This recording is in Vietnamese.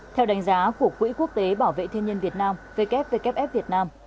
theo đánh giá của quỹ quốc tế bảo vệ thiên nhiên việt nam wwf việt nam